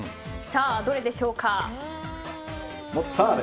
どれでしょうか。